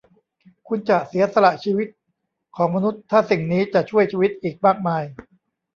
คุณจะเสียสละชีวิตของมนุษย์ถ้าสิ่งนี้จะช่วยชีวิตอีกมากมาย ?